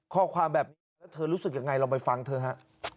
ข้อความแบบถ้าเธอรู้สึกยังไงเราไปฟังเธอฮะ